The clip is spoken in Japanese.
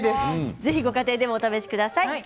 ぜひご家庭でもお試しください。